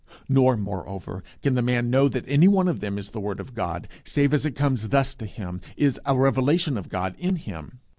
Nor, moreover, can the man know that any one of them is the word of God, save as it comes thus to him, is a revelation of God in him.